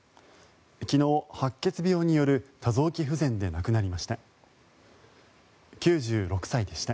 昨日、白血病による多臓器不全で亡くなりました。